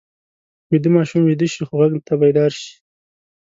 ویده ماشومان ویده شي خو غږ ته بیدار شي